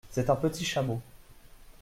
C’est un petit chameau !…